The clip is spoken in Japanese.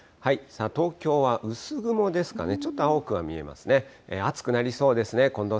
東京は薄雲ですかね、ちょっと青くは見えますね。